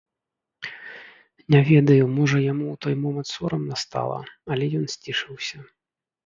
Не ведаю, можа, яму ў той момант сорамна стала, але ён сцішыўся.